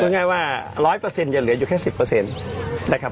ง่ายว่า๑๐๐อย่าเหลืออยู่แค่๑๐นะครับ